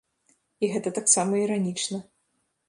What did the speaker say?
І гэта таксама іранічна.